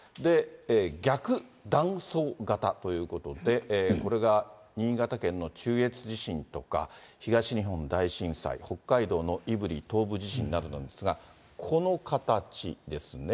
逆断層型ということで、これが新潟県の中越地震とか、東日本大震災、北海道の胆振東部地震なんですが、この形ですね。